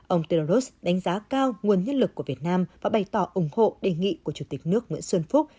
ông teros đánh giá cao nguồn nhân lực của việt nam và bày tỏ ủng hộ đề nghị của chủ tịch nước nguyễn xuân phúc